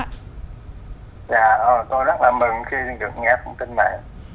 dạ tôi rất là mừng khi được nghe thông tin này